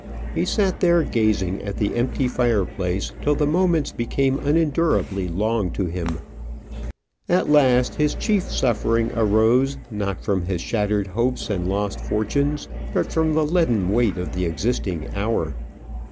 He sat there gazing at the empty fireplace till the moments became unendurably long to him. At last his chief suffering arose, not from his shattered hopes and lost fortunes, but from the leaden weight of the existing hour.